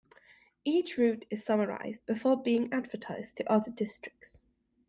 Each route is summarized before being advertised to other districts.